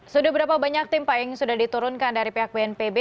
sudah berapa banyak tim pak yang sudah diturunkan dari pihak bnpb